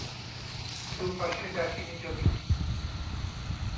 দু’পাশে ডাকিনী-যোগিনী।